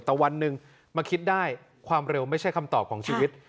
แต่วันหนึ่งมาคิดได้ความเร็วไม่ใช่คำตอบของชีวิต